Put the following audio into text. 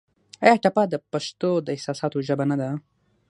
آیا ټپه د پښتو د احساساتو ژبه نه ده؟